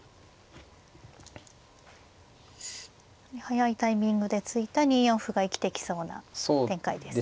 早いタイミングで突いた２四歩が生きてきそうな展開ですね。